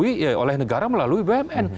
di oleh negara melalui bumn